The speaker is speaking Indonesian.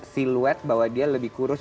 siluet bahwa dia lebih kurus